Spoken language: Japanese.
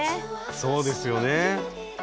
そうですよね。